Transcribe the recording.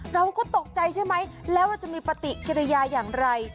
เราก็ตกใจใช่ไหมแล้วว่าจะมีปฏิกิริยาอย่างไร